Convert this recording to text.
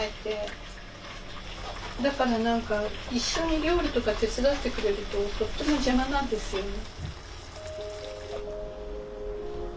だから何か一緒に料理とか手伝ってくれるととっても邪魔なんですよね。